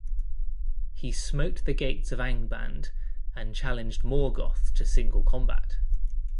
He smote the gates of Angband and challenged Morgoth to single combat.